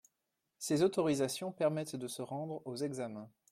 Ces autorisations permettent de se rendre aux examens.